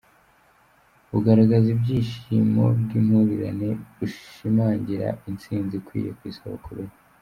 Bugaragaza ibyishimo by’impurirane bishimangira intsinzi ikwiye ku isabukuru ye.